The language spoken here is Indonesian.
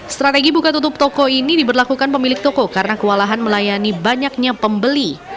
strategi buka tutup toko ini diberlakukan pemilik toko karena kewalahan melayani banyaknya pembeli